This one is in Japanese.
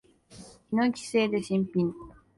ヒノキ製で新品。